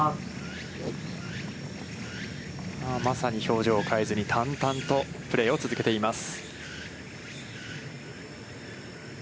まさに表情を変えずに、淡々とプレーを続けています。